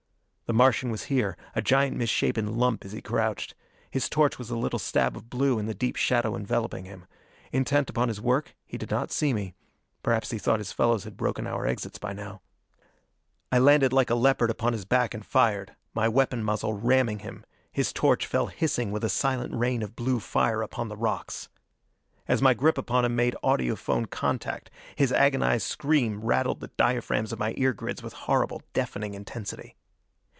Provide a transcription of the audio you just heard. The Martian was here, a giant misshapen lump as he crouched. His torch was a little stab of blue in the deep shadow enveloping him. Intent upon his work, he did not see me. Perhaps he thought his fellows had broken our exits by now. I landed like a leopard upon his back and fired, my weapon muzzle ramming him. His torch fell hissing with a silent rain of blue fire upon the rocks. As my grip upon him made audiphone contact, his agonized scream rattled the diaphragms of my ear grids with horrible, deafening intensity.